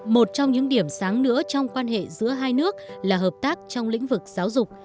một trong những điểm sáng nữa trong quan hệ giữa hai nước là hợp tác trong lĩnh vực giáo dục